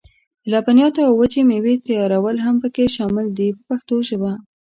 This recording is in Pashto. د لبنیاتو او وچې مېوې تیارول هم پکې شامل دي په پښتو ژبه.